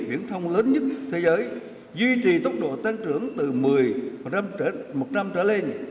viễn thông lớn nhất thế giới duy trì tốc độ tăng trưởng từ một năm trở lên